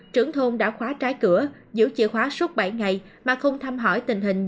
trưởng thôn đã khóa trái cửa giữ chìa khóa suốt bảy ngày mà không thăm hỏi tình hình